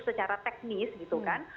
secara teknis gitu kan